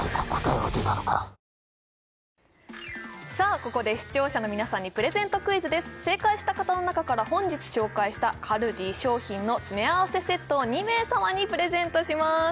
ここで視聴者の皆さんにプレゼントクイズです正解した方の中から本日紹介したカルディ商品の詰め合わせセットを２名様にプレゼントします